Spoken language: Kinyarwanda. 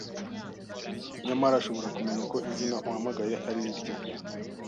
nyamara ashobora kumenya ko izina uhamagaye ari irye.